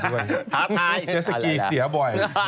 ทำราไหล่